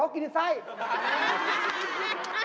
เดี๋ยวเขากินใส่